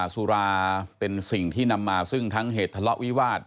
สุราเป็นสิ่งที่นำมาซึ่งทั้งเหตุทะเลาะวิวาส